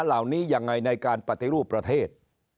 เหล่านี้ยังไงในการปฏิรูปประเทศ